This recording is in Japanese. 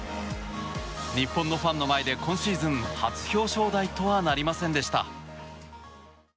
日本のファンの前で今シーズン初表彰台とはなりませんでした。